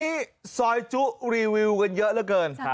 นี่ซอยจุรีวิวกันเยอะเหลือเกิน